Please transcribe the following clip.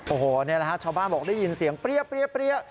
โอ้โหนี่แหละค่ะชาวบ้านบอกได้ยินเสียงเปรี้ยเปรี้ยเปรี้ย